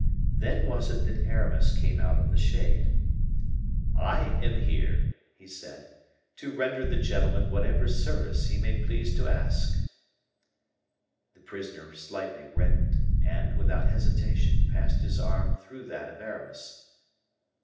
Then was it that Aramis came out of the shade: "I am here," he said, "to render the gentleman whatever service he may please to ask." The prisoner slightly reddened, and, without hesitation, passed his arm through that of Aramis.